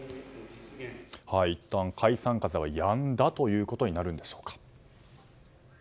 いったん解散風はやんだということになるんでしょうか。